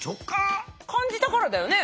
感じたからだよね？